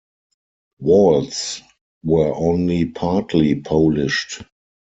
Walls were only partly polished.